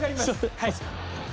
はい。